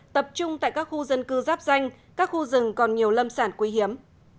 tập trung tại các khu dân cư giáp danh các khu rừng còn nhiều lâm sản quý hiếm